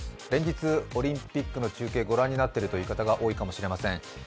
連日オリンピックの中継御覧になっている方が多いかもしれません。